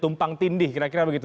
tumpang tindih kira kira begitu